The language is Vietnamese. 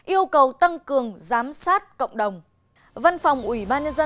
yêu cầu tăng cường giám sát cộng đồng